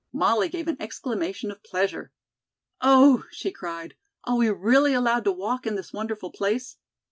Molly gave an exclamation of pleasure. "Oh," she cried, "are we really allowed to walk in this wonderful place?"